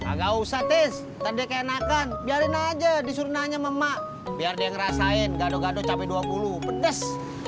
agak usah tes tadi keenakan biarin aja disuruh nanya mama biar dia ngerasain gado gado capek dua puluh pedes